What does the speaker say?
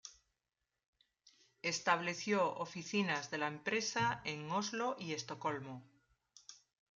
Estableció oficinas de la empresa en Oslo y Estocolmo.